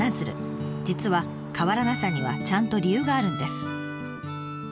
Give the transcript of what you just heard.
実は変わらなさにはちゃんと理由があるんです。